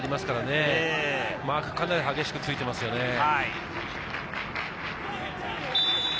かなり激しくついていますよね。